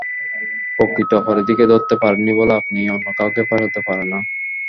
প্রকৃত অপরাধীকে ধরতে পারেননি বলে আপনি অন্য কাউকে ফাঁসাতে পারে না।